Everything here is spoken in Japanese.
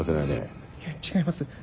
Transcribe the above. いや違います。